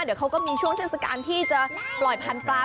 เดี๋ยวเขาก็มีช่วงเทศกาลที่จะปล่อยพันธุ์ปลา